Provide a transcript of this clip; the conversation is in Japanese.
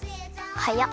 はやっ。